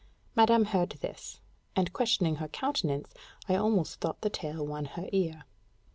Madame heard this; and questioning her countenance, I almost thought the tale won her ear.